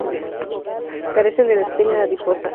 Carecen de la espina adiposa.